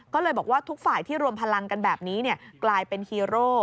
ก็เลยบอกว่าทุกฝ่ายที่รวมพลังกันแบบนี้กลายเป็นฮีโร่